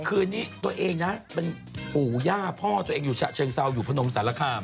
คืนนี้ตัวเองนะเป็นปู่ย่าพ่อตัวเองอยู่ฉะเชิงเซาอยู่พนมสารคาม